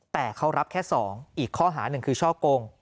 แต่เขารับแค่๒อีกข้อหาหนึ่งคือช่อกง